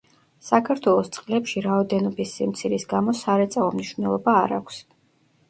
საქართველოს წყლებში რაოდენობის სიმცირის გამო სარეწაო მნიშვნელობა არ აქვს.